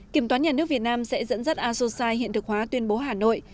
kiểm toán nhà nước việt nam sẽ dẫn dắt asosai hiện thực hóa tuyên bố hà nội